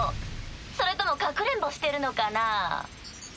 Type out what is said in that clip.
それともかくれんぼしてるのかな？